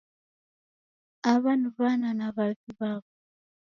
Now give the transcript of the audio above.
Aw'a ni w'ana na w'avi w'aw'o